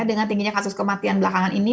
dengan tingginya kasus kematian belakangan ini